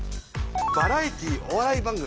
バラエティーお笑い番組。